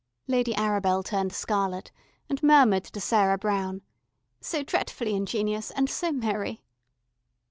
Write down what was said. Lady Arabel turned scarlet, and murmured to Sarah Brown: "So dretfully ingenious, and so merry."